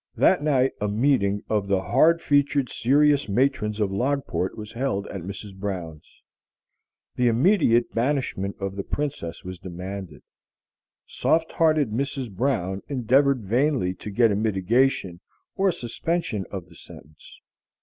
That night a meeting of the hard featured serious matrons of Logport was held at Mrs. Brown's. The immediate banishment of the Princess was demanded. Soft hearted Mrs. Brown endeavored vainly to get a mitigation or suspension of the sentence.